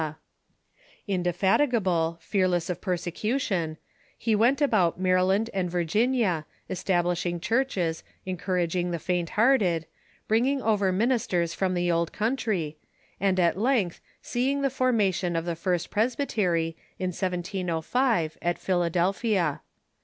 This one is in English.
Makemie ti< iici <••^■• Indeiatigable, tearless or jjersecution, he went about Maryland and Virginia, establishing churches, encouraging the faint hearted, bringing over ministers from the old country, and at length seeing the formation of the first Presbytery, in 1705, at Philadelphia.